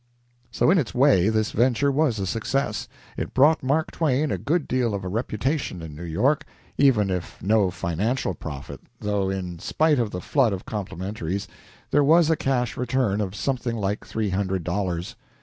So in its way this venture was a success. It brought Mark Twain a good deal of a reputation in New York, even if no financial profit, though, in spite of the flood of complimentaries, there was a cash return of something like three hundred dollars.